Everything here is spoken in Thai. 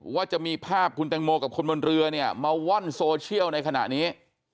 ว่าจะมีภาพคุณแตงโมกับคนบนเรือเนี่ยมาว่อนโซเชียลในขณะนี้